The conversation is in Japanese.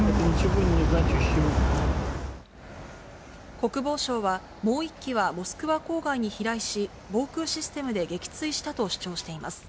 国防省は、もう１機はモスクワ郊外に飛来し、防空システムで撃墜したと主張しています。